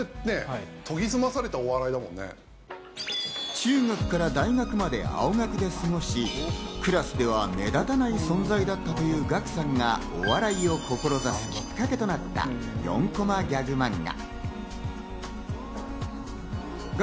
中学から大学まで青学で過ごし、クラスでは目立たない存在だったというガクさんが、お笑いを志すきっかけとなった４コマギャグマンガ。